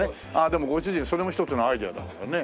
でもご主人それも一つのアイデアだものね。